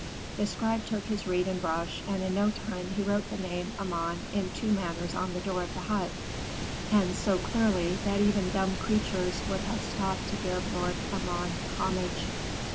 "The scribe took his reed and brush, and in no long time he wrote the name Amon in two manners on the door of the hut, and so clearly that even dumb creatures would have stopped to give Lord Amon homage.